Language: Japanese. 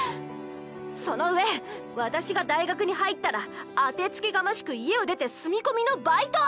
そのうえ私が大学に入ったら当てつけがましく家を出て住み込みのバイト！